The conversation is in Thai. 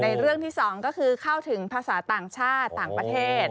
เรื่องที่สองก็คือเข้าถึงภาษาต่างชาติต่างประเทศ